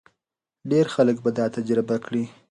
ډېر خلک به دا تجربه کړي.